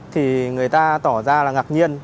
thì người ta tỏ ra là ngạc nhiên